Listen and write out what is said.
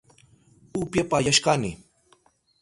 Upyapayashkani